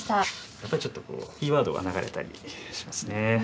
やっぱりちょっとこうキーワードが流れたりしますね。